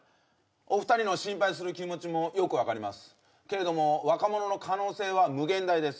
お二人の心配する気持ちもよく分かりますけれども若者の可能性は無限大です